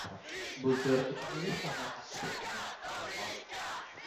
Bultur uch yuz ellik tonna paxta terganim — yolg‘on!